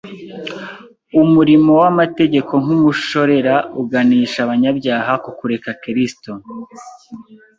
’umurimo w’amategeko nk’umushorera uganisha abanyabyaha ku kureba Kristo